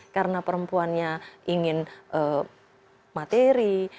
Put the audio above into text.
karena perempuannya ingin materi